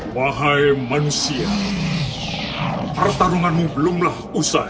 wahai manusia pertarunganmu belumlah usai